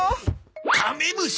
カメムシ！？